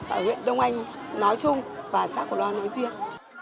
ở huyện đông anh nói chung và xã cổ loa nói riêng